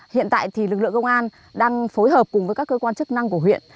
hiện tại thì lực lượng công an đang phối hợp cùng với các cơ quan chức năng của huyện